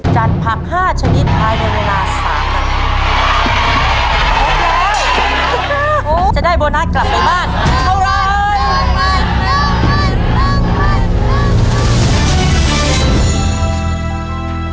จัดผัก๕ชนิดภายในเวลา๓นาที